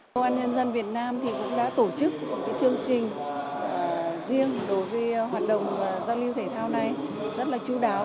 đội an nhân dân việt nam cũng đã tổ chức chương trình riêng đối với hoạt động giao lưu thể thao này rất là chú đáo